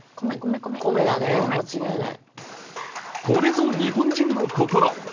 これぞ日本人の心。